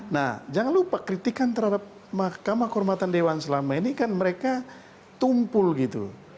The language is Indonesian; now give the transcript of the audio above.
nah jangan lupa kritikan terhadap mahkamah kehormatan dewan selama ini kan mereka tumpul gitu